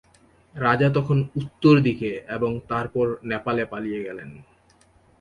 রাজা তখন উত্তরদিকে এবং তারপর নেপালে পালিয়ে গেলেন।